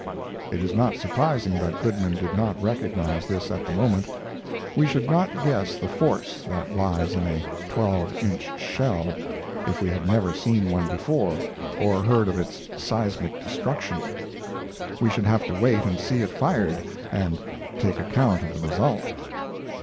It is not surprising that Goodman did not recognize this at the moment. We should not guess the force that lies in a twelve inch shell if we had never seen one before or heard of its seismic destruction. We should have to wait and see it fired, and take account of the result.